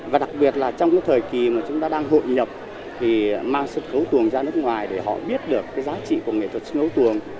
và đặc biệt là trong cái thời kỳ mà chúng ta đang hội nhập thì mang sân khấu tuồng ra nước ngoài để họ biết được cái giá trị của nghệ thuật sân khấu tuồng